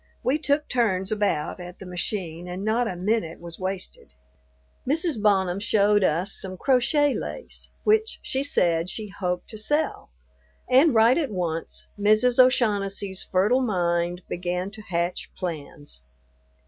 We took turns about at the machine and not a minute was wasted. Mrs. Bonham showed us some crochet lace which she said she hoped to sell; and right at once Mrs. O'Shaughnessy's fertile mind begin to hatch plans.